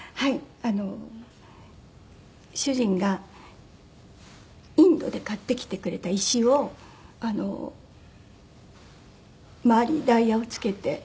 あの主人がインドで買ってきてくれた石を周りにダイヤを付けてちょっと。